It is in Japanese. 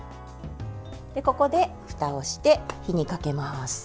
ここでふたをして火にかけます。